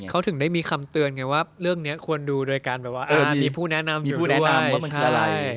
เขาถึงได้มีคำเตือนไงว่าเรื่องนี้ควรดูโดยการมีผู้แนะนำอยู่ด้วย